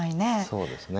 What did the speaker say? そうですね。